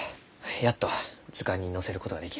やっと図鑑に載せることができる。